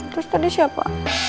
terus tadi siapa